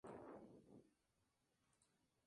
Todo ello provenía del Real de Valencia.